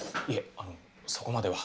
あのそこまでは。